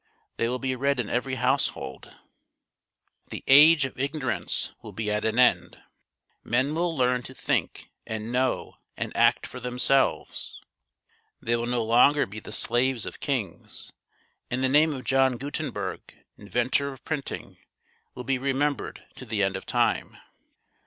They will be read in every household. The age of ignorance will be at an end. Men will learn to think and know and act for themselves. .46 eJO "O 3 48 THIRTY MORE FAMOUS STORIES They will no longer be the slaves of kings. And the name of John Gutenberg, inventor of printing, will be remembered to the end of time."